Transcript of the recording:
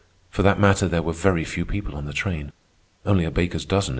For that matter there were very few people on the train—only a baker's dozen in our car.